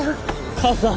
母さん！